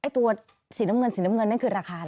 ตัวสีน้ำเงินนั่นคือราคาเหรอ